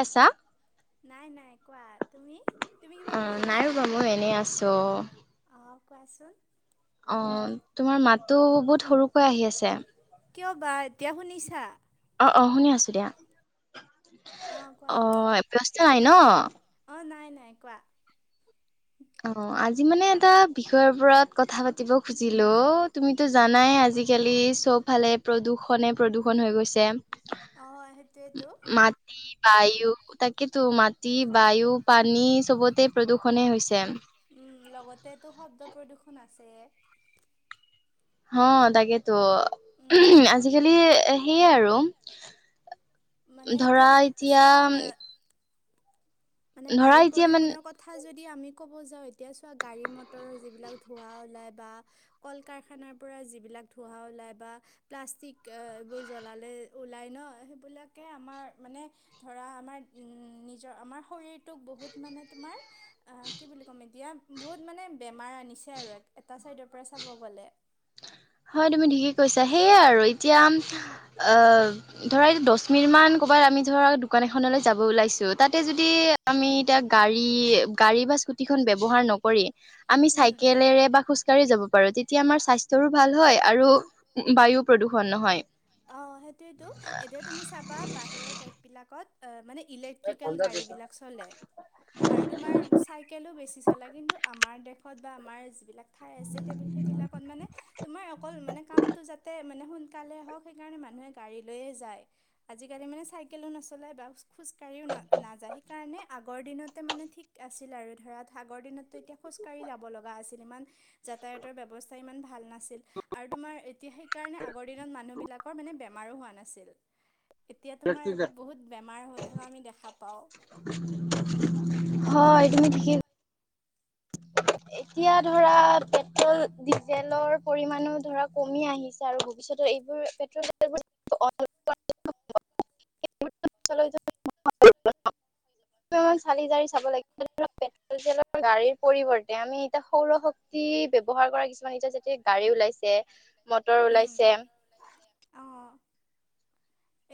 আছা নাই নাই কোৱা তুমি তুমি কিবা অ কৰি নাই আছা শুৱা মই এনেই আছো অঁ কোৱাচোন অ তোমাৰ মাতো বহুত সৰুকৈ আহি আছে কিয় বা এতিয়া শুনিছা অ অ শুনি আছো দিয়া অঁ কোৱা অ ব্যস্ত নাই ন অ নাই নাই কোৱা অ আজি মানে এটা বিষয়ৰ ওপৰত কথা পাতিব খুজিলো তুমিতো জানাই আজি আজিকালি চবফালে প্ৰদূষণে প্ৰদূষণ হৈ গৈছে অ হয় সেইটোৱেইটো মাটি বায়ু তাকেতো মাটি বায়ু পানী চবতে প্ৰদূষণে হৈছে উম লগতেটো শব্দ প্ৰদূ্ষন আছেহে হ তাকেতো উম আজিকালি সেইয়াই আৰু মানে ধৰা এতিয়া চোৱা আ মানে ধৰা বায়ু এতিয়া মানে প্ৰদূৰষণৰ কথা যদি যদি আমি ক'ব যাওঁ এতিয়া চোৱা গাড়ী মটৰৰ যিবিলাক ধোঁৱা ওলাই বা কল কাৰখানাৰ পৰা যিবিলাক ধোঁৱা ওলাই বা প্লাষ্টিক এইবোৰ জ্বলালে ওলাই ন সেইবিলাক আমাৰ মানে ধৰা আমাৰ নিজৰ আমাৰ শৰীৰ তোক বহুত মানে তোমাৰ অ কি বুলি ক'ম এতিয়া বহুত মানে বেমাৰ আনিছে আৰু এটা চাইডৰ পৰা চাব গলে হয় তুমি থিকেই কৈছা সেইয়ে আৰু এতিয়া অ ধৰা দহ মিনিট মান কবাত আমি ধৰ দোকান এখনলৈ যাব ওলাইছো তাতে যদি আমি এতিয়া গাড়ী গাড়ী বা স্কোটিখন ব্যাৱহাৰ নকৰি আমি উম। চাইকেল বা খোজ কাঢ়িও যাব পাৰোঁ তেতিয়া আমাৰ স্বাস্থ্যৰো ভাল হয় আৰু বায়ু প্ৰদূষণ নহয় অ', সেইটোৱেতো এতিয়া তুমি চাবা বাহিৰৰ দেশবিলাকত আহ, মানে ইলেক্ট্ৰিকেল গাড়ীবিলাক চলে আৰু তোমাৰ চাইকেলো বেছি চলে কিন্তু আমাৰ দেশত বা আমাৰ যিবিলাক ঠাই আছে সেইবিলাকত মানে তোমাৰ অকল মানে কামতটো যাতে মানে কালে হওঁক সেইকাৰণে মানুহে গাড়ী লয়ে যায় আজিকালি মানে চাইকেলো নচলাই বা খোজ কাঢ়িও ন নাযায় সেইকাৰণে আগৰ দিনতে মানে ঠিক আছিল আৰু ধৰা আগৰ দিনত এতিয়া খোজকাঢ়ি যাব লগা আছিল ইমান যাতায়াতৰ ব্যৱস্থা ইমান ভাল নাছিল আৰু তোমাৰ এতিয়া সেইকাৰণে আগৰ দিনত মানুহবিলাক বেমাৰৰো হোৱা নাছিল এতিয়া তোমাৰ বহুত বেমাৰ হৈ থকা আমি দেখা পাওঁ হয় এতিয়া ধৰা পেট্ৰল ডিজেলৰ পৰিমণো ধৰা কমি আহিছে আৰু ভৱিষ্যতে এইবোৰ পেট্ৰ [unintelligible] [unintelligible] চালি জাৰি চাব লাগে পেট্ৰলেৰ গাড়ীৰ পৰি আমি এতিয়া সৌৰ শক্তি ব্যৱহাৰ কৰা কিছুমান এতিয়া যেতিয়া গাড়ী ওলাইছে মটৰ ওলাইছে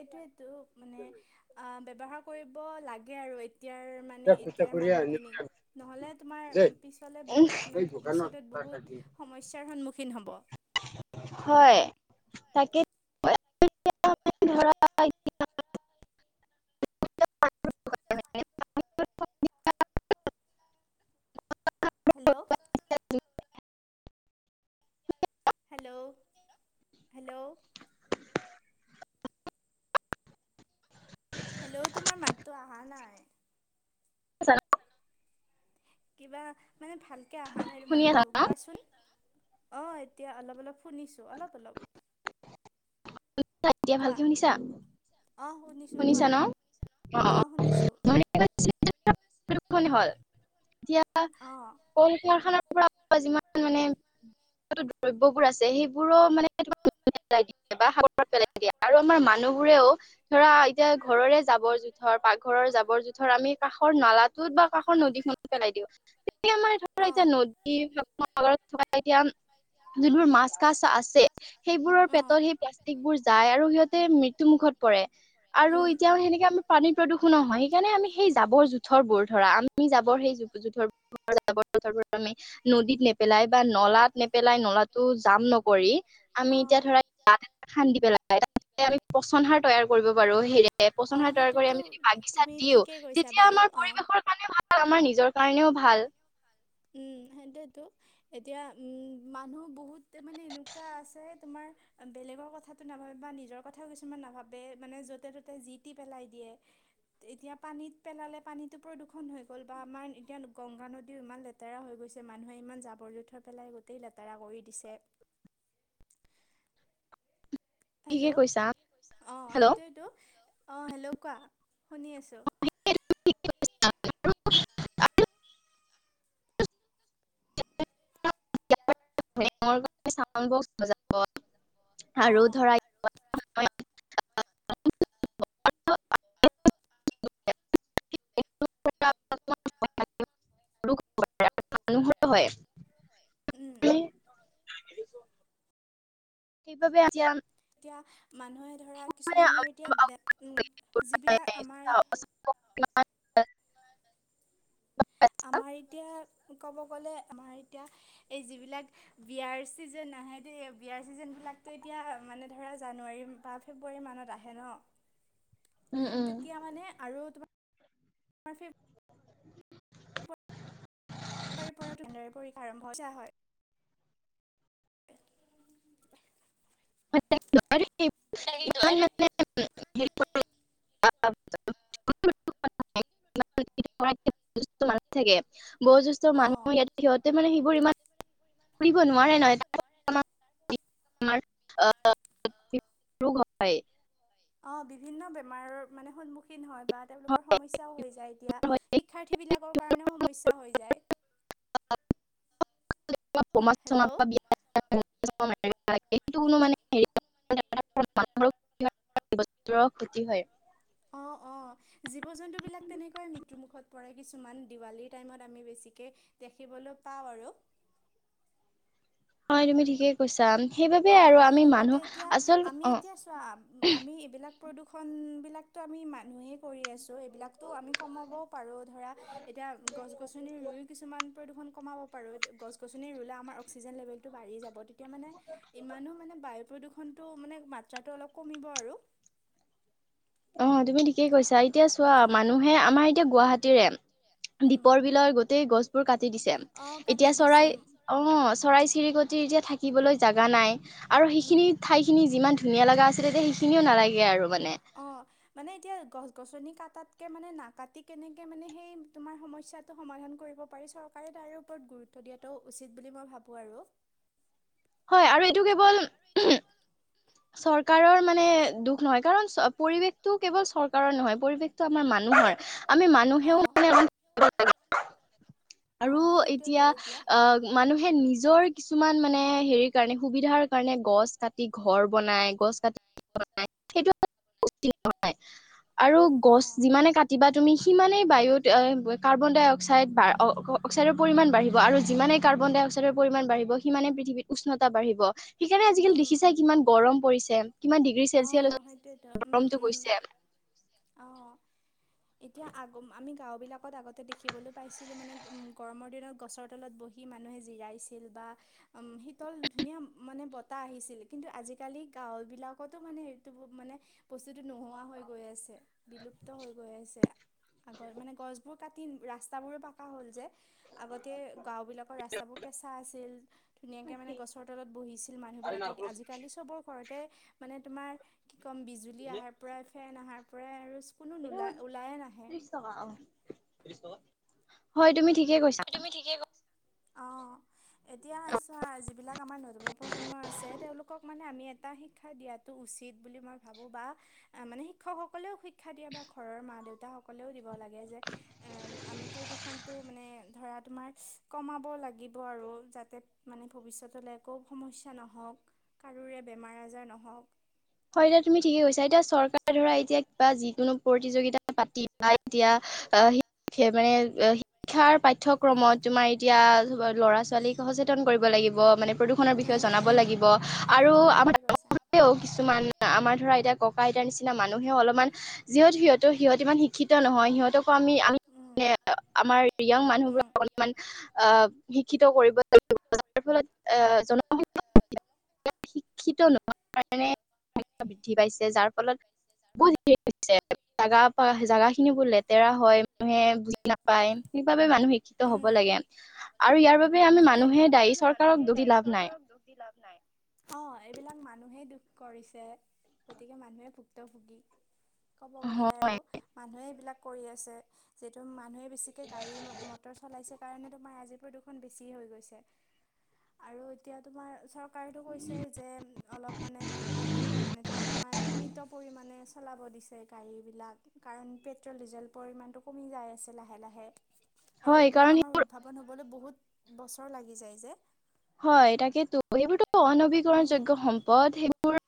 এইটোয়েইটো মানে অ ব্যৱহাৰ কৰিব লাগে আৰু। এতিয়াৰ মানে এতিয়াৰ মানুহখিনিক নহ'লে তোমাৰ পিছলে উ বহুত মানে ভৱিষ্যতত বহুত বহুত সমস্যাৰ সন্মুখীন হ'ব। হয় তাকে [unintelligible] তাকে ধৰা এতিয়া [unintelligible] [unintelligible] হেল্ল' হেল্ল' হেল্ল' হেল্ল' তোমাৰ মাততো অহা নাই। কিবা মানে ভাল কে অহা নাই শুনি তোমাৰ আছা মাৰমাৰ কোৱাচোন অ এতিয়া অলপ অলপ শুনিছোঁ। অলপ অলপ এতিয়া কোৱা ভালকে শুনিছা শুনিছা ন। অ শুনিছোঁ হ'ল এতিয়া অঁ কল কাৰখানা। যিমান মানে দ্ৰব্যবোৰ আছে সেইবোৰো মানে পেলাই দিয়ে বা সাগৰ পেলাই দিয়ে আৰু আমাৰ মানুহবোৰেও ধৰা এতিয়া উম। ঘৰৰে জাবঁৰ জোথৰ পাকঘৰৰ জাব‍ঁৰ জোথৰ ধৰ আমি কাষৰ নলাটোত বা কাষৰ নদীখনত পেলাই দিওঁ। আমাৰ ধৰ অ'। এতিয়া নদী থকা এতিয়া যোনবোৰ মাছ কাছ আছে সেইবোৰৰ পেটত অ'। সেই তিক বোৰ যায় আৰু সিহঁতে মৃত্যু মুখত পৰে আৰু উম। এতিয়া সেনেকে আমি পানীৰ প্ৰদূষণো হয় সেইকাৰণে আমি সেই জাবঁৰ জোঁথৰবোৰ ধৰা আমি জাবঁৰ সেই জোথৰবোৰ জাবঁৰ আমি নদীত নেপেলাই বা নলাত নেপেলাই পেলাই নলাটো জাম নকৰি আমি এতিয়া ধৰা গাত এটা খান্দি পেলাই আমি পচন সাৰ তৈয়াৰ কৰিব পাৰোঁ হেৰে অ পচন সাৰ তৈয়াৰ কৰি সেইটোতো আমি যদি বাগিচা তুমি দিওঁ ঠিকেই কৈছা তেতিয়া বাৰু আমাৰ আমাৰ অ পৰিৱেশৰ কাৰণে ভাল আমাৰ নিজৰ কাৰণেও ভাল। সেইতোয়েতো এতিয়া উম মানুহ বহুত মানে এনেকুৱা আছে তোমাৰ বেলেগ কথাটো নাভাবে বা নিজৰ কথাও কিছুমান নাভাবে মানে যতে ত'তে জি টি পেলাই দিয়ে। এতিয়া পানীত পেলালে পানীতটো প্ৰদূষণ হৈ গ'ল বা আমাৰ এতিয়া গংগা নদীও ইমান লেতে লেতেৰা হৈ গৈছে মানুহে ইমান জাবঁৰ জোথৰ হৈ পেলাই গোটেই লেতেৰা কৰি দিছে। [unintelligible] হেল্ল' ঠিকে কৈছা অ হেল্ল' সেইটোৱেটো অ হেল্ল' কোৱা শুনি আছোঁ? [unintelligible] [unintelligible] আৰু অঁ ধৰা [unintelligible] [unintelligible] [unintelligible] মানুহ হয় উম [unintelligible] সেই বাবে আজি। এতিয়া মানুহে ধৰা কিছুমানৰ এতিয়া যিবিলাক আমাৰ প [unintelligible] আমাৰ এতিয়া ক'ব গ'লে আমাৰ এতিয়া এই যিবিলাক বিয়াৰ চিজন আহে বিয়াৰ চিজন এইকতো এতিয়া মানে ধৰা জানুৱাৰী বা ফেব্ৰুৱাৰী মানত আহে ন? [unintelligible] তেতিয়া উম মানে আৰু তোমাৰ পৰি পৰা ধুডাৰী পৰীক্ষা আৰম্ভা হয় [unintelligible] [unintelligible] মান ম [unintelligible] [unintelligible] [unintelligible] য়জেষ্ঠ মানুহ থাকে বয়োজ্যেষ্ঠ অঁ মানুহ ইতে সিহঁতে মানে সেইবোৰ ইমান ফুৰিব নোৱাৰে নহয় [inaudible] ৰোগ হয়। অঁ বিভিন্ন বেমাৰৰ মানে সন্মুখীন হয়। বা তেওঁলোকৰ সমস্যাও হৈ যায় এতিয়া শিক্ষাৰ্থীবিলাকৰ কাৰণেও সমস্যা হৈ যায়। [inaudible] টো হে কোনো হেল্ল' মানে হেৰি, মানুহৰো ক্ষতি হয়। [unintelligible] অঁ অঁ জীৱ জন্তুবিলাক তেনেকৈ মৃত্যুমুখত পৰে কিছুমান দিৱালীৰ টাইমত আমি বেছিকে দেখিবলৈ পাওঁ আৰু। হয় তুমি ঠিকে কৈছা। সেইবাবে অ আৰু আমি লগতে মানুহ এতিয়া আচল আমি অ এতিয়া চোৱা, আমি এইবিলাক প্ৰদূষণ বিলাকতো আমি মানুহেই কৰি আছোঁ, এইবিলাকতো আমি কমাবও পাৰোঁ ধৰা এতিয়া এতিয়া গছ গছনি ৰুয়ো কিছুমান প্ৰদূষণ কমাব পাৰো, গছ গছনি ৰুলে আমাৰ ক্সিজেন লেভেল টো বাঢ়ি যাব তেতিয়া মানে ইমানো মানে বায়ু প্ৰদূৰ্ষণ টো মানে মাত্ৰাটো অলপ কমিব আৰু। অ তুমি ঠিকেই কৈছা, এতিয়া চোৱা অহ। মানুহে আমাৰ এতিয়া গুৱাহাটী তিৰে উম। দ্বপৰ বিলৰ গোটেই গছবোৰ কাটি দিছে অ', কাটি এতিয়া দিছে। চৰাই অহ চৰাই চিৰিকটিৰ যে এতিয়া থাকিবলৈ জাগা নাই। আৰু উম। সেইখিনি ঠাইখিনি যিমান ধুনীয়া লগা আছিলে যে সেইখিনিও নালাগে আৰু। মানে। অ। মানে এতিয়া গছ গছনি কাটাতকে মানে নাকাটি কেনেকে মানে সেই তোমাৰ সমস্যাটো সমাধান কৰি চৰকাৰে তাৰ ওপৰত গুৰুত্ব দিয়াতটো উচিত বুলি মই ভাবো আৰু। হয় আৰু এইটো কেৱল চৰকাৰৰ মানে দুখ নহয়, কাৰণ পৰিৱেশতটো কেৱল চৰকাৰৰ নহয় পৰিৱেশ টো আমাৰ মানুহ আমি মানুহেও অ'। মানে আৰু অ', সেইটোৱেতো এতিয়া অ মানুহে নিজৰ কিছুমান মানে হেৰিৰ কাৰণে সুবিধাৰ কাৰণে গছ কাটি ঘৰ বনাই গছ কাটি বনাই সেইটো [unintelligible] আৰু গছ অ'। যিমানে কাটিবা তুমি সিমানেই বায়ু কাৰ্বন ডাই অক্সাইড বা অক্সাইডৰ পৰিমাণ বাঢ়িব। আৰু যিমানেই কাৰ্বন ডাই অ্সাইডৰ পৰিমাণ বাঢ়িব সিমানে পৃথিৱীত উষ্ণতা বাঢ়িব, সেইকাৰণে আজিকালি দেখিছে কিমান গৰম পৰিছে। কিমান ডিগ্ৰী ছেলচিয়াছ গৰমটো হৈছে। অঁ এতিয়া আগ আমি গাঁওবিলাকত আগতে দেখিবলৈ পাইছিলোঁ মানে গৰমৰ দিনত গছৰ তলত বহি মানে মানুহে যিৰাইছিল বা উম শীতল ধুনীয়া মানে বতাহ আহিছিল কিন্তু আজিকালি গাঁবিলাক কটো মানে সেইটো মানে বস্তুটো নোহোৱা হৈ গৈ আছে, বিলুপ্ত হৈ গৈ আছে। আগত মানে গছ বোৰ কাটি ৰাস্তাবোৰো পাকা হ'ল যে। আগতে গাও বিলাকৰ ৰাস্তাবোৰ কেঁচা আছিল ধুনীয়াকে মানে গছৰ তলত বহিছিল মানুহ। মানহ বিলাকে আজিকালি চবৰ ঘৰতে মানে তোমাৰ কি কম বিজুলী অহাৰ পৰা ফেন অহাৰ পৰাই আৰু কোনো ইতো নোলা ওলায়ে নাহে। তিৰিছ টকা অহ, টিৰিছ টকা হয় তুমি ঠিকে কৈছা। অ' এতিয়া আ চোৱা যিবিলাক আমাৰ নৱ প্ৰজন্ম আছে তেওঁলোকক মানে আমি এটা শিক্ষা দিয়াতো উচিত বুলি মই ভাবো বা মানে শিক্ষকসকলেও শিক্ষা দিয়ে বা ঘৰৰ মা দেউতা সকলেও দিব। লাগে যে আমি প্ৰদূষণটো মানে ধৰা তোমাৰ কমাব লাগিব আৰু যাতে মানে ভৱিষ্যতলে একো সমস্যা নহওক। কাৰোৰে বেমাৰ আজাৰ নহওক। হয় এতিয়া তুমি ঠিকে কৈছা এতিয়া চৰকাৰে ধৰা এতিয়া কিবা যিকোনো প্ৰতিযোগিতা পাতি বা এতিয়া আ সি একেবাৰে শিক্ষাৰ পাঠ্যক্ৰমত তোমাৰ এতিয়া ল'ৰা ছোৱালীক সচেতন কৰিব লা গিব মানে প্ৰদূষণৰ বিষয়ে জনাব উম লাগিব আৰু আমাৰ কিছুমান আমাৰ ধৰা এতিয়া ককা আইতাৰ নিচিনা মানুহে ও অলপমান যিহত সিহতো সিহঁত যিহত ইমান শিক্ষিত নহয় সিহঁতক আমি আমি মে আমাৰ য়াং মানুহবোৰক অলমান আহ শিক্ষিত কৰিব লাগিব যাৰ ফলত শিক্ষিত নহয় কাৰণে বৃদ্ধি পাইছে যাৰ ফলত বুত দে হৈছে জাগা জাগা খিনি বৰ লেতেৰা হয়। মানুহে বুজি নাপায় সেইবাবে মানুহ শিক্ষিত হব উম লাগে আৰু ইয়াৰ বাবে আমি মানুহে দায়ি মানুহে দায়ী চৰকাৰক দুখ দি লাভ নাই অ এইবিলাক মানুহে দুখ কৰিছে গতিকে মানুহে ভুক্তভোগী ক'ব গ'লে হয় আৰু মানুহে এইবিলাক কৰি আছে যিহেতু মানুহে বেছিকে গাড়ী মটৰ চলাইছে সেইকাৰণে তোমাৰ আজি প্ৰদূষণ বেছি হৈ গৈছে চৰকাৰটো কৈছে যে অলপ মানে মানে ধ তোমাৰ সিমিত পৰিমাণ চলাব দিছে গাড়ীবিলাক কাৰণ পেট্ৰল ডিজেল পৰিমাণটো কমি যায় আছে। লাহে লাহে আৰু হয় এইবিলাক কাৰণ উদ্ভাৱন হবলে বহুত বছৰ লাগি যায় যে। হয় তাকেতো সেইবোৰতো অনবীকৰণ উম যোগ্য সম্পদ সেইবোৰ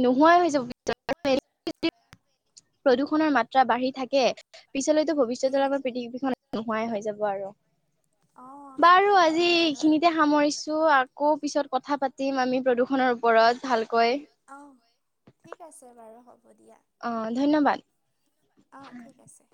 নোহোৱাই হৈ যাব প্ৰদূষণৰ মাত্ৰা বাঢ়ি থাকে। পিছলৈতো ভৱিষ্যতৰ আমাৰ পৃথিৱীখন নোহোৱাই হৈ যাব আৰু অ সেইটোয়েটো নাজানো আৰু ছো আকৌ পিছত কথা পাতিম আমি প্ৰদূষণৰ ওপৰত ভাল অ ঠিক আছে বাৰু হ'ব দিয়া। অ ধন্যবাদ। অ ঠিক আছে।